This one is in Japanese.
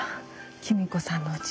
キミ子さんのうち。